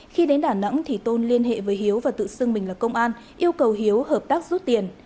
khi đến đà nẵng thì tôn liên hệ với hiếu và tự xưng mình là công an yêu cầu hiếu hợp tác rút tiền